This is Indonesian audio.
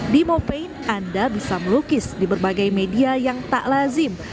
di mopaint anda bisa melukis di berbagai media yang tak lazim